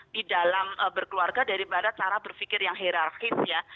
di dalam berkeluarga daripada cara berpikir yang hirarkis ya